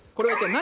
何？